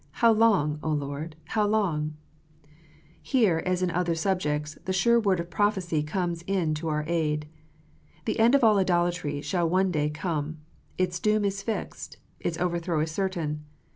How long, Lord, how long 1 " Here, as in other subjects, the sure word of prophecy comes in to our aid. The end of all idolatry shall one day come. Its doom is fixed. Its overthrow is certain.